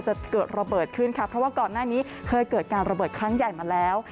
จะเกิดระเบิดขึ้นค่ะเพราะว่าก่อนหน้านี้เคยเกิดการระเบิดครั้งใหญ่มาแล้ว